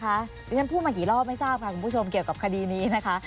เดี๋ยวฉันพูดมากี่รอบไม่ทราบค่ะคุณผู้ชมเกี่ยวกับคดีนี้นะคะ